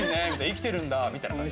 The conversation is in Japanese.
生きてるんだみたいな感じ。